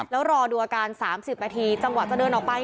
แล้วรอดูอาการ๓๐นาทีจังหวะจะเดินออกไป